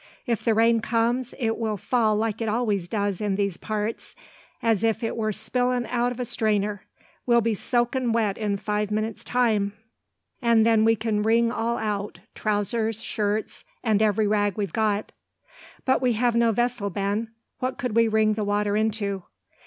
If the rain comes, it will fall like it always does in these parts, as if it were spillin' out o' a strainer. We'll be soakin' wet in five minutes' time; and then we can wring all out, trousers, shirts, and every rag we've got." "But we have no vessel, Ben, what could we wring the water into?"